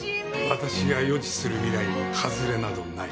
私が予知する未来に外れなどない。